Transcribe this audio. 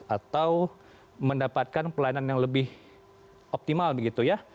atau mendapatkan pelayanan yang lebih optimal begitu ya